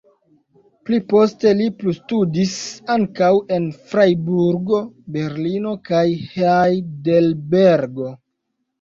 Pli poste li plustudis ankaŭ en Frajburgo, Berlino kaj Hajdelbergo.